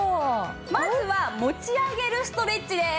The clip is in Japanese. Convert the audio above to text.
まずは持ち上げるストレッチです。